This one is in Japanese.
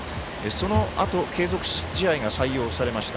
そのあと、継続試合が採用されました。